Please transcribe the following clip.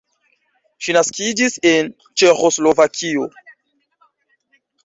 Ŝi naskiĝis en Ĉeĥoslovakio.